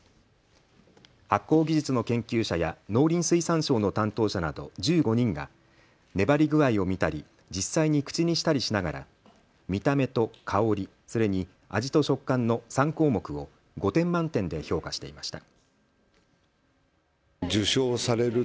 発酵技術の研究者や農林水産省の担当者など１５人が粘り具合を見たり実際に口にしたりしながら見た目と香り、それに味と食感の３項目を５点満点で評価していました。